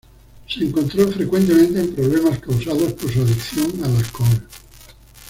Se encontró frecuentemente en problemas causados por su adicción al alcohol.